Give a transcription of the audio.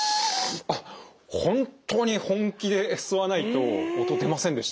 あっ本当に本気で吸わないと音出ませんでした。